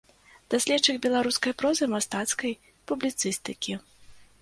Даследчык беларускай прозы, мастацкай публіцыстыкі.